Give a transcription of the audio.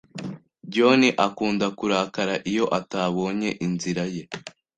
John akunda kurakara iyo atabonye inzira ye.